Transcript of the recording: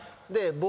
僕